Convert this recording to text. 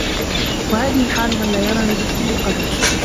وَهَذِهِ حَالُ مَنْ لَا يَرَى لِنَفْسِهِ قَدْرًا